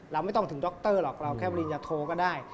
เราไม่ต้องถึงด็อกเตอร์หรอกเราแค่ลิ้นยาโทรก็ได้